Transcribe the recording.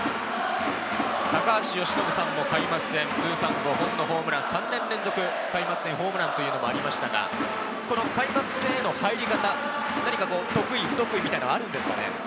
高橋由伸さんも開幕戦通算５本のホームラン、３年連続開幕戦ホームランというのもありましたが、この開幕戦への入り方、何か得意、不得意みたいなものはあるんですかね。